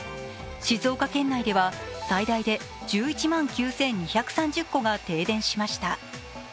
静岡県内では最大で１１万９２３０戸が停電しました。